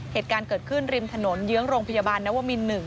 เหตุการณ์เกิดขึ้นริมถนนเยื้องโรงพยาบาลนวมิน๑